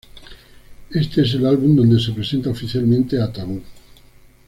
Este es el álbum donde se presenta oficialmente a Taboo.